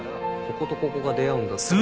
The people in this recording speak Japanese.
こことここが出会うんだったらこう。